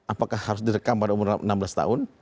apakah harus direkam pada umur enam belas tahun